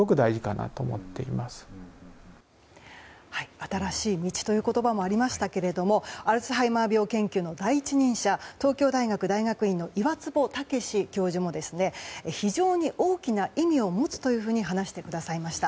新しい道という言葉もありましたけれどもアルツハイマー病研究の第一人者東京大学大学院の岩坪威教授も非常に大きな意味を持つというふうに話してくださいました。